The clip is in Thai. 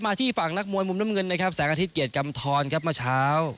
ที่ฝั่งนักมวยมุมน้ำเงินนะครับแสงอาทิตยเกียรติกำทรครับเมื่อเช้า